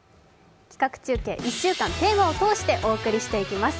企画中継、１週間テーマを通して、お送りしていきます。